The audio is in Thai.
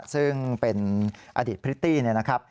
ซึ่งเป็นอดีตพริตตี้เนี่ยนะครับ